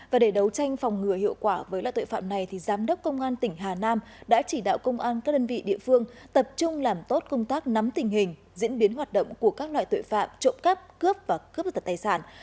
và để đấu tranh phòng ngừa hiệu quả với loại tội phạm này giám đốc công an tỉnh hà nam đã chỉ đạo công an các đơn vị địa phương tập trung làm tốt công tác nắm tình hình diễn biến hoạt động của các loại tội phạm trộm cắp cướp và cướp giật tài sản